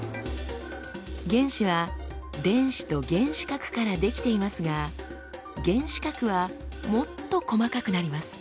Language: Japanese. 原子は電子と原子核から出来ていますが原子核はもっと細かくなります。